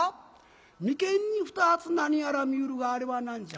「眉間に２つ何やら見うるがあれは何じゃ？